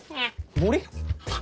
森？